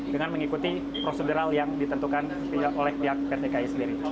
dengan mengikuti prosedural yang ditentukan oleh pihak pt ki sendiri